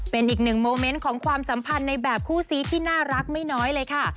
เป็นอีกหนึ่งโมเมนต์ของความสัมพันธ์ในแบบคู่ซีที่น่ารักไม่น้อยเลยค่ะ